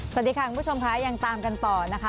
สวัสดีค่ะคุณผู้ชมค่ะยังตามกันต่อนะคะ